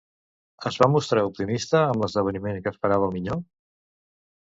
Es va mostrar optimista amb l'esdevenir que esperava al minyó?